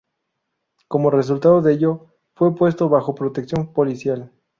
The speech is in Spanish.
Como resultado de ello, fue puesto bajo protección policial.